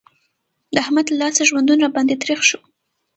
د احمد له لاسه ژوندون را باندې تريخ شو.